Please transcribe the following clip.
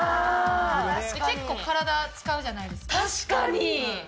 結構、体使うじゃないですか。